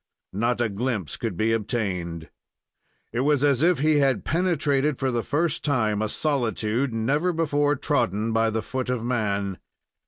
Not a glimpse could be obtained. It was as if he had penetrated for the first time a solitude never before trodden by the foot of man.